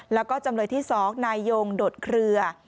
แล้วก็จำเลยที่๒นายยงโดดเคลือ